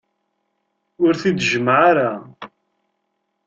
Ur t-id-jemmeε ara.